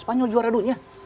spanyol juara dunia